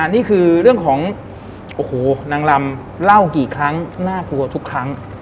นี่คือเรื่องของโอ้โหนางลำเล่ากี่ครั้งน่ากลัวทุกครั้ง